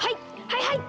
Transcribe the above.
はいはい！